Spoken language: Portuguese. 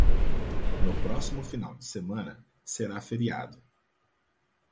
No próximo final de semana será feriado.